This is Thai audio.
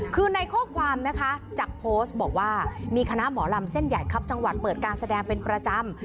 คือในข้อความนะคะจากโพสต์บอกว่ามีคณะหมอลำเส้นใหญ่ครับจังหวัดเปิดการแสดงเป็นประจำ